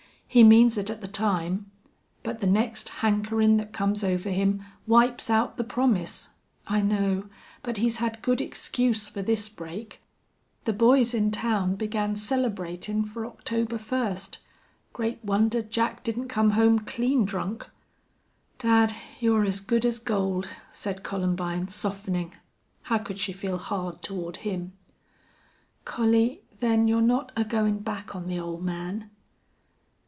He means it at the time. But the next hankerin' thet comes over him wipes out the promise. I know.... But he's had good excuse fer this break. The boys in town began celebratin' fer October first. Great wonder Jack didn't come home clean drunk." "Dad, you're as good as gold," said Columbine, softening. How could she feel hard toward him? "Collie, then you're not agoin' back on the ole man?"